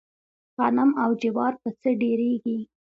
غنم او جوار په څۀ ډېريږي؟